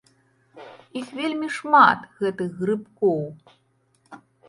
Іх вельмі шмат, гэтых грыбкоў.